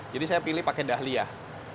jadi saya pilih pakai dahliah